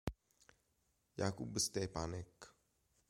Jakub Štěpánek